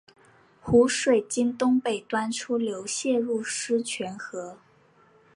湖水经东北端出流泄入狮泉河。